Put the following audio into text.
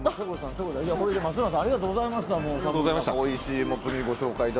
松浦さんありがとうございました。